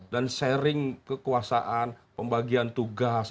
dan sharing kekuasaan pembagian tugas